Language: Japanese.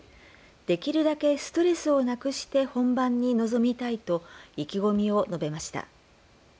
できるだけストレスをなくして本番に臨みたいと意気込みを述べました。